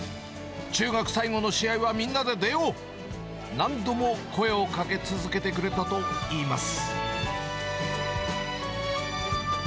中学最後の試合は、みんなで出よう、何度も声をかけ続けてくれたといいます。